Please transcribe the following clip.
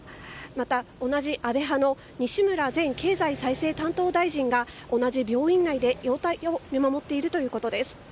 また、同じ安倍派の西村前経済再生担当大臣が同じ病院内で容態を見守っているということです。